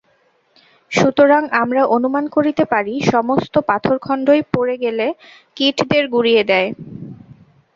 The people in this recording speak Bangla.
সুতরাং আমরা অনুমান করিতে পারি সমস্ত পাথরখণ্ডই পড়ে গেলে কীটদের গুঁড়িয়ে দেয়।